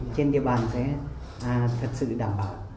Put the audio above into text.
trên địa bàn sẽ thật sự đảm bảo